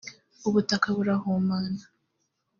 ubutaka burahumana